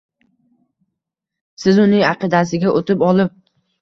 Siz uning aqidasiga o‘tib olib